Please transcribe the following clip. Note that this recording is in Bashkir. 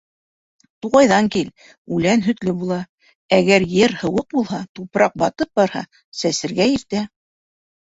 Туғайҙан кил — үлән һөтлө була, Әгәр ер һыуыҡ булһа, тупраҡ батып барһа, сәсергә иртә.